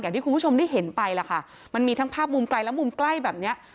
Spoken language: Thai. อย่างที่คุณผู้ชมได้เห็นไปล่ะค่ะมันมีทั้งภาพมุมไกลและมุมใกล้แบบเนี้ย